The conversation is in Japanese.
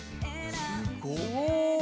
すごい！